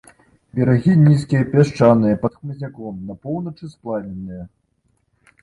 Берагі нізкія, пясчаныя, пад хмызняком, на поўначы сплавінныя.